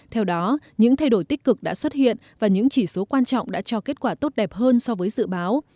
theo đó những thay đổi tích cực đã xuất hiện và những chỉ số quan trọng đã cho kết quả tốt đẹp hơn so với dự báo